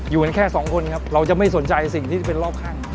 อยู่กันแค่สองคนครับเราจะไม่สนใจสิ่งที่จะเป็นรอบข้าง